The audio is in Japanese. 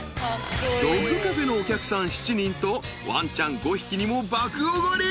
［ドッグカフェのお客さん７人とワンちゃん５匹にも爆おごり］